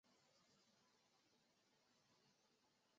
因此一直追捕至地球。